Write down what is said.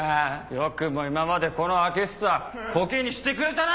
よくも今までこの開久コケにしてくれたな！